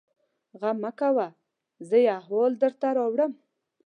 _غم مه کوه! زه يې احوال درته راوړم.